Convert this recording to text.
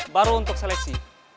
baru untuk seleksi